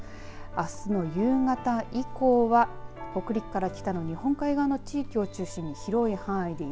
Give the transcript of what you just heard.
あすの夕方以降は北陸から北の日本海側の地域を中心に広い範囲で雪。